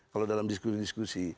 kalau dalam diskusi diskusi